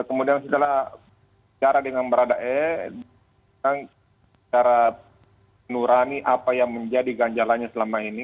kemudian setelah bicara dengan barada e kami secara penurani apa yang menjadi ganjalanya selama ini